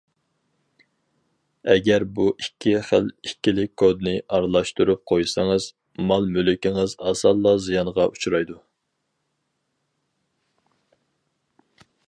ئەگەر بۇ ئىككى خىل ئىككىلىك كودنى ئارىلاشتۇرۇپ قويسىڭىز، مال- مۈلكىڭىز ئاسانلا زىيانغا ئۇچرايدۇ.